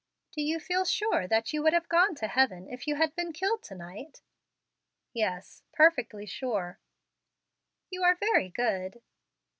"Do you feel sure that you would have gone to heaven if you had been killed to night?" "Yes, perfectly sure." "You are very good."